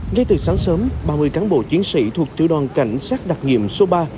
ngay từ sáng sớm ba mươi cán bộ chiến sĩ thuộc tiểu đoàn cảnh sát đặc nghiệm số ba